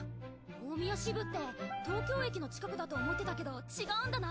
大宮支部って東京駅の近くだと思ってたけど違うんだな。